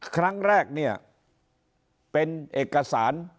ครั้งแรกเนี่ยเป็นเอกสาร